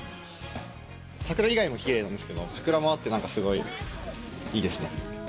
桜以外もきれいなんですけど、桜もあって、なんかすごい、いいですね。